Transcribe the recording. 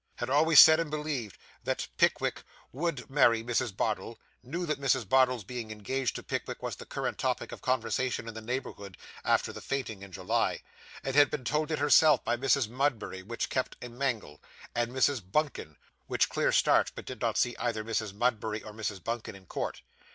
Had always said and believed that Pickwick would marry Mrs. Bardell; knew that Mrs. Bardell's being engaged to Pickwick was the current topic of conversation in the neighbourhood, after the fainting in July; had been told it herself by Mrs. Mudberry which kept a mangle, and Mrs. Bunkin which clear starched, but did not see either Mrs. Mudberry or Mrs. Bunkin in court.